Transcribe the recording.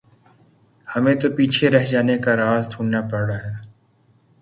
ہمیں تو پیچھے رہ جانے کا راز ڈھونڈنا پڑ رہا ہے۔